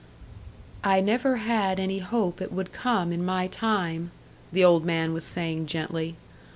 "I never had any hope it would come in my time," the old man was saying gently.